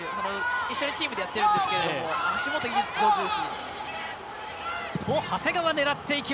一緒のチームでやっているんですが足元すごい上手です。